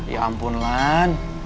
ya ampun lan